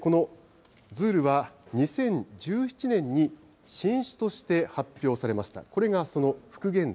このズールは、２０１７年に新種として発表されました。